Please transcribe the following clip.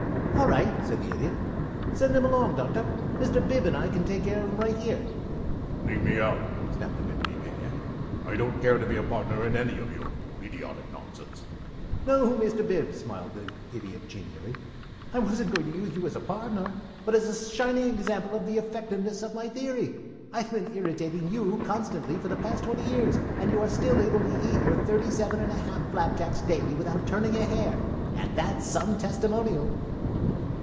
"All right," said the Idiot. "Send 'em along, Doctor. Mr. Bib and I can take care of them right here." "Leave me out," snapped the Bibliomaniac. "I don't care to be a partner in any of your idiotic nonsense." "No, Mr. Bib," smiled the Idiot, genially. "I wasn't going to use you as a partner, but as a shining example of the effectiveness of my theory. I've been irritating you constantly for the past twenty years, and you are still able to eat your thirty seven and a half flapjacks daily without turning a hair, and that's some testimonial."